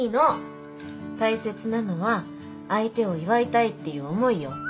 大切なのは相手を祝いたいっていう思いよ。